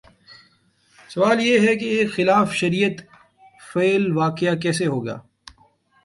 سوال یہ ہے کہ ایک خلاف شریعت فعل واقع کیسے ہوگا؟